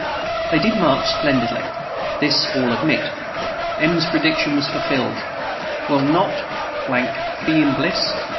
They did march splendidly; this all admit. M 's prediction was fulfilled: "Will not be in bliss?